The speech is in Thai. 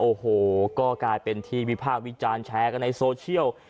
โอ้โหก็กลายเป็นที่วิพากษ์วิจารณ์แชร์กันในโซเชียล